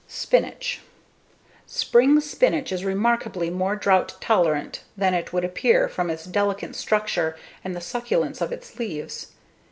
Spinach Spring spinach is remarkably more drought tolerant than it would appear from its delicate structure and the succulence of its leaves.